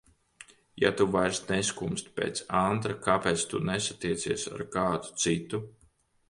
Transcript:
Ja tu vairs neskumsti pēc Andra, kāpēc tu nesatiecies ar kādu citu?